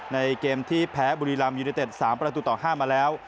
ในเกมที่แพ้บุรีรำยูเนเต็ด๓ประตูต่อ๕มาแล้ว